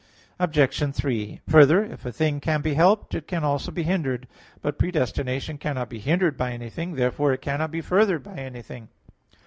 Obj. 3: Further, if a thing can be helped, it can also be hindered. But predestination cannot be hindered by anything. Therefore it cannot be furthered by anything.